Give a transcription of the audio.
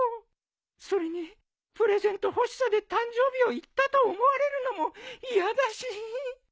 それにプレゼント欲しさで誕生日を言ったと思われるのも嫌だし。